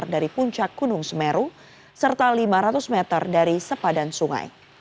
dari puncak gunung semeru serta lima ratus meter dari sepadan sungai